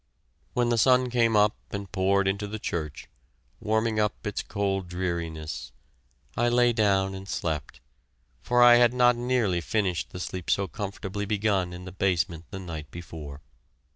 When the sun came up and poured into the church, warming up its cold dreariness, I lay down and slept, for I had not nearly finished the sleep so comfortably begun in the basement the night before.